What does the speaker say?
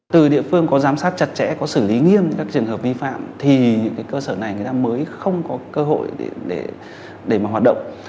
từ địa phương có giám sát chặt chẽ có xử lý nghiêm các trường hợp vi phạm thì những cơ sở này người ta mới không có cơ hội để mà hoạt động